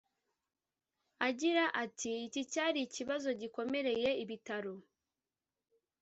Agira ati “Iki cyari ikibazo gikomereye ibitaro